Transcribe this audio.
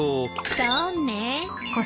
そうね。